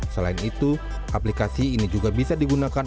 selain itu aplikasi ini juga bisa digunakan